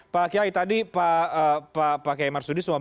pak kiai tadi pak kiai marsudi